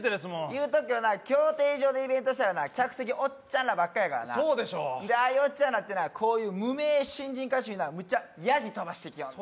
言うとくけどな競艇場でイベントしたらな客席おっちゃんらばっかやからなそうでしょうでああいうおっちゃんらってなこういう無名新人歌手になむっちゃ野次飛ばしてきよんねん